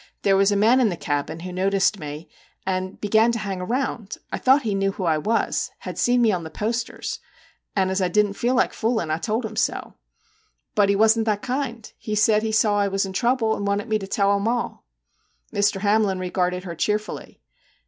* There was a man in the cabin, who noticed me, and began to hang around I thought he knew who I was, had seen me on the posters and as I didn't feel like foolin' I told him so. But 16 MR. JACK HAMLIN'S MEDIATION he wasn't that kind. He said he saw I was in trouble, and wanted me to tell him all.' Mr. Hamlin regarded her cheerfully.